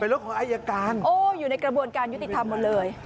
รถของใครอยู่ในกระบวนการยุติธรรมหมดเลย